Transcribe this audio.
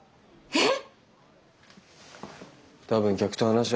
えっ？